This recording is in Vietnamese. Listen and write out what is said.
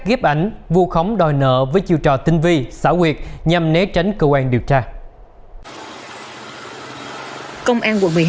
ghép ảnh vu khống đòi nợ với chiêu trò tinh vi xã huyệt nhằm né tránh cơ quan điều tra công an quận